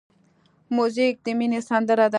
موزیک د مینې سندره ده.